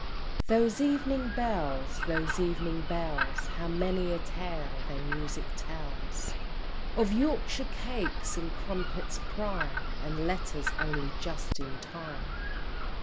Those evening bells, those evening bells, How many a tale their music tells, Of Yorkshire cakes and crumpets prime, And letters only just in time!